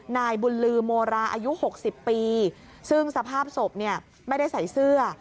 นายบุญลือโมราอายุ๖๐ปีซึ่งสภาพศพเนี่ยไม่ได้ใส่เสื้อ